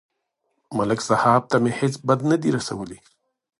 ملک صاحب ته مې هېڅ بد نه دي رسولي